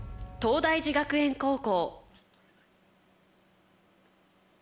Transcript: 東大寺学園高校